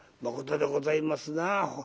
「まことでございますな。